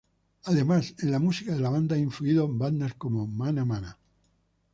Además, en la música de la banda han influido bandas como Mana Mana.